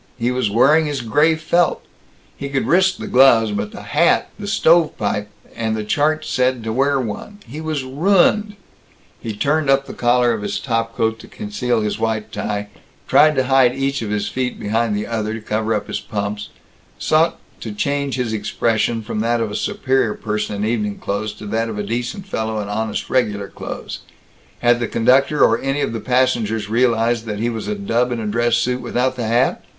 He was wearing his gray felt. He could risk the gloves, but the hat the "stovepipe" and the chart had said to wear one he was ruined He turned up the collar of his top coat to conceal his white tie, tried to hide each of his feet behind the other to cover up his pumps; sought to change his expression from that of a superior person in evening clothes to that of a decent fellow in honest Regular Clothes. Had the conductor or any of the passengers realized that he was a dub in a dress suit without the hat?